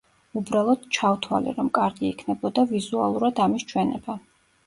უბრალოდ, ჩავთვალე, რომ კარგი იქნებოდა ვიზუალურად ამის ჩვენება.